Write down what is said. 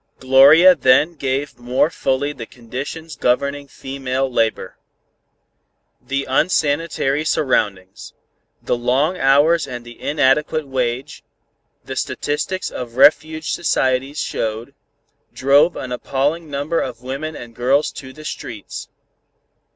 Gloria then gave more fully the conditions governing female labor. The unsanitary surroundings, the long hours and the inadequate wage, the statistics of refuge societies showed, drove an appalling number of women and girls to the streets.